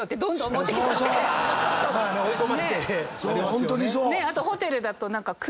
ホントにそう。